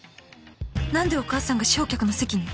何でお母さんが正客の席に！？